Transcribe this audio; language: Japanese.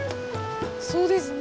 そうですね。